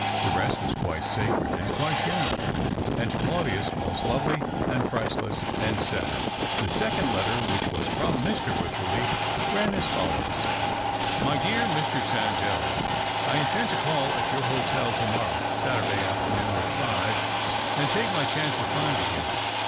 The rest was quite sacred, and quite human, and to Claudius most lovely, and priceless, and sad. The second letter, which was from Mr Wycherley, ran as follows :— the octave of claudius. 287 " My dear Mr. Sandell, " I intend to call at your hotel to morrow (Saturday) afternoon at five, and take my chance of finding you.